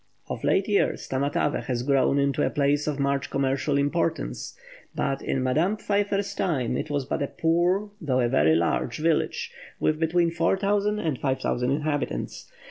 Of late years Tamatavé has grown into a place of much commercial importance, but in Madame Pfeiffer's time it was but a poor, though a very large village, with between 4,000 and 5,000 inhabitants.